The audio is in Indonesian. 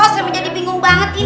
saya menjadi bingung banget ini